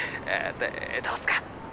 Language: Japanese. でどうっすか？